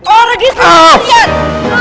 oh regis kejadian